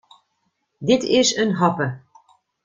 Dit is in hoppe.